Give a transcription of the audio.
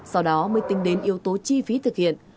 sau đó mới tính đến yếu tố chi phí thực hiện